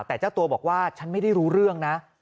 แต่เจ้าตัวบอกว่าฉันไม่ได้รู้เรื่องนะ